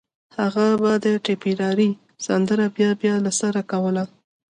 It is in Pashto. هغه به د ټيپيراري سندره بيا بيا له سره کوله